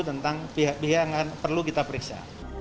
tentang pihak pihak yang perlu kita periksa